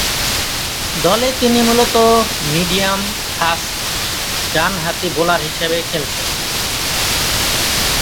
দলে তিনি মূলতঃ মিডিয়াম-ফাস্ট, ডানহাতি বোলার হিসেবে খেলছেন।